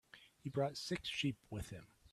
He brought six sheep with him.